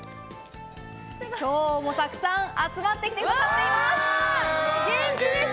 今日もたくさん集まってきています！